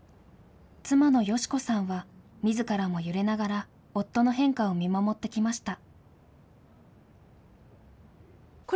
妻の佳子さんはみずからも揺れながら、夫の変化を見守ってきました。